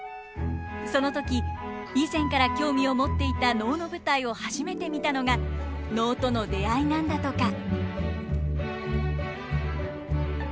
その時以前から興味を持っていた能の舞台を初めて見たのが能との出会いなんだとか。